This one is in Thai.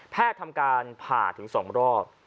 แพทย์ทำการผ่าถึงสองรอบ